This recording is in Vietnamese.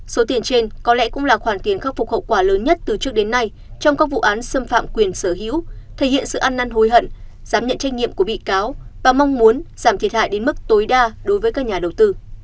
số tiền trên có lẽ cũng là khoản tiền khắc phục hậu quả lớn nhất từ trước đến nay trong các vụ án xâm phạm quyền sở hữu thể hiện sự ăn năn hối hận giám nhận trách nhiệm của bị cáo và mong muốn giảm thiệt hại đến mức tối đa đối với các nhà đầu tư